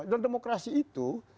dan demokrasi itu